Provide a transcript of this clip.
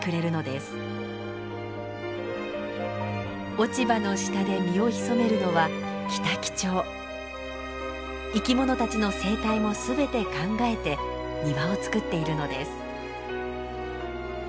落ち葉の下で身を潜めるのは生き物たちの生態も全て考えて庭をつくっているのです。